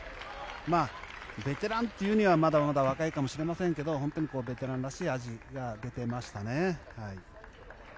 ベテランと言うにはまだまだ若いかもしれませんけど本当にベテランらしい味が出ていましたね。